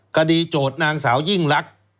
คดีโจทย์นางสาวยิ่งลัก